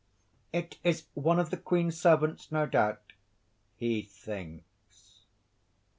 _) "It is one of the Queen's servants, no doubt," (he thinks).